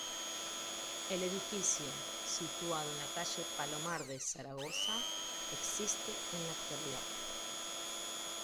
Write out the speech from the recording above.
El edificio, situado en la Calle Palomar de Zaragoza, existe en la actualidad.